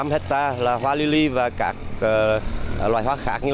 một mươi năm hectare là hoa lili và các loại hoa khác